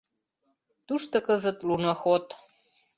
Тушто кызыт луноход.